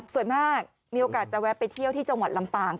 มากมีโอกาสจะแวะไปเที่ยวที่จังหวัดลำปาง